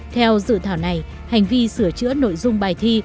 theo dự thảo này hành vi sửa chữa nội dung bài thi